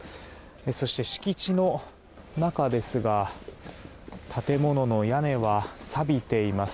そして敷地の中ですが建物の屋根はさびています。